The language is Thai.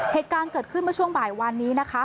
เหตุการณ์เกิดขึ้นเมื่อช่วงบ่ายวันนี้นะคะ